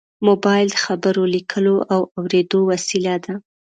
موبایل د خبرو، لیکلو او اورېدو وسیله ده.